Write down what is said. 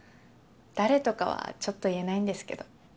誰とかはちょっと言えないんですけど。